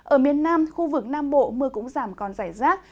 ở miền nam khu vực nam bộ mưa cũng giảm còn giải rác